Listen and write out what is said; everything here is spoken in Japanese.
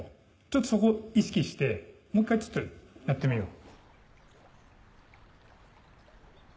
ちょっとそこ意識してもう一回ちょっとやってみよう。